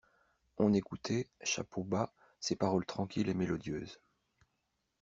On écoutait, chapeau bas, ses paroles tranquilles et mélodieuses.